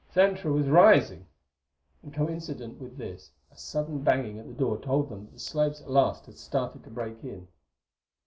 Xantra was rising! And coincident with this a sudden banging at the door told them that the slaves at last had started to break in!